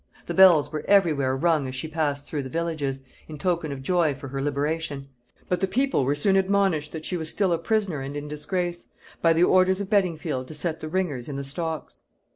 The bells were every where rung as she passed through the villages, in token of joy for her liberation; but the people were soon admonished that she was still a prisoner and in disgrace, by the orders of Beddingfield to set the ringers in the stocks.